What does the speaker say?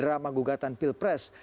lewat drama gugatan pilpres